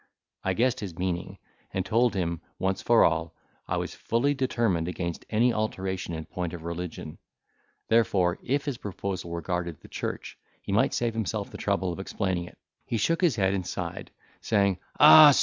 I guessed his meaning, and told him, once for all, I was fully determined against any alteration in point of religion; therefore if his proposal regarded the church, he might save himself the trouble of explaining it. He shook his head and sighed, saying, "Ah!